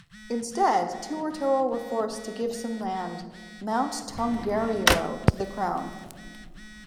Instead Tuwharetoa were forced to give some land -Mount Tongariro to the crown.